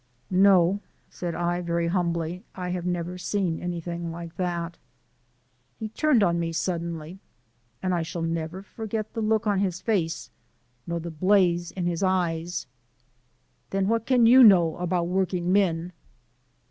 "No," said I, very humbly, "I have never seen anything like that." He turned on me suddenly, and I shall never forget the look on his face, nor the blaze in his eyes: "Then what can you know about working men?"